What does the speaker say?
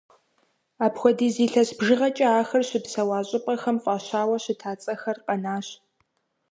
Апхуэдиз илъэс бжыгъэкӏэ ахэр щыпсэуа щӏыпӏэхэм фӏащауэ щыта цӏэхэр къэнащ.